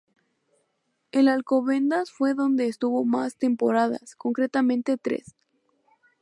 En Alcobendas fue donde estuvo más temporadas, concretamente tres.